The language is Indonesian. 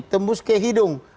tembus ke hidung